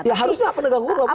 ya harusnya penegak hukum